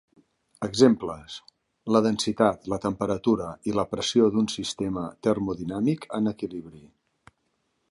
Exemples: la densitat, la temperatura i la pressió d'un sistema termodinàmic en equilibri.